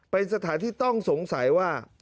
เป็นสถานที่ต้องสงสัยว่า